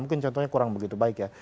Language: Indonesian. mungkin contohnya kurang begitu baik ya